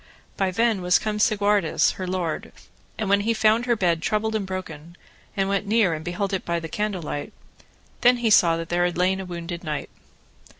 By then was come Segwarides, her lord, and when he found her bed troubled and broken, and went near and beheld it by candle light, then he saw that there had lain a wounded knight.